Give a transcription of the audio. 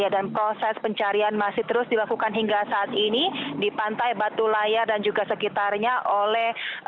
dan proses pencarian masih terus dilakukan hingga saat ini di pantai batu layar dan juga sekitarnya oleh